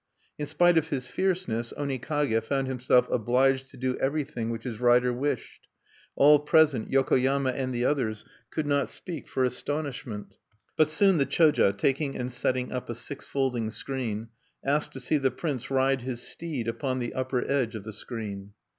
In spite of his fierceness, Onikage found himself obliged to do everything which his rider wished. All present, Yokoyama and the others, could not speak for astonishment. But soon the Choja, taking and setting up a six folding screen, asked to see the prince ride his steed upon the upper edge of the screen.